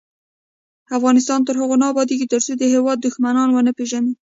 افغانستان تر هغو نه ابادیږي، ترڅو د هیواد دښمنان ونه پیژنو.